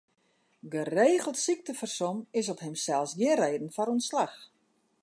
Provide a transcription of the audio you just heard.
Geregeld syktefersom is op himsels gjin reden foar ûntslach.